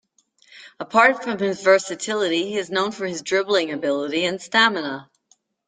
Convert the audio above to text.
Apart from his versatility, he is known for his dribbling ability and stamina.